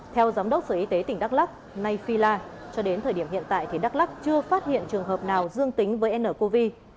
theo giám đốc sở y tế tỉnh đắk lắc nay phila cho đến thời điểm hiện tại thì đắk lắc chưa phát hiện trường hợp nào dương tính với ncov